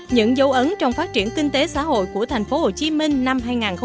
những dấu ấn trong phát triển kinh tế xã hội của tp hcm năm hai nghìn một mươi bảy